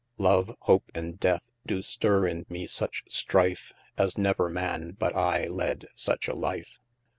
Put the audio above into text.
E>e, hope, and death, do stirre in me such strife, As never man but I led such a life.